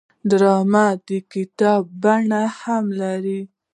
ډرامه د کتاب بڼه هم لري